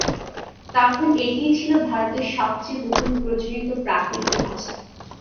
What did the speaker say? তখন এটিই ছিল ভারতের সবচেয়ে বহুল প্রচলিত প্রাকৃত ভাষা।